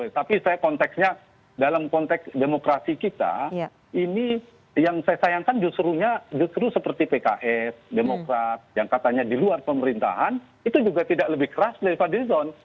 tapi saya konteksnya dalam konteks demokrasi kita ini yang saya sayangkan justru seperti pks demokrat yang katanya di luar pemerintahan itu juga tidak lebih keras dari fadlizon